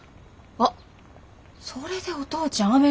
あっそれでお父ちゃん